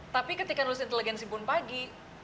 tapi ketika nulis inteligensi bunpagi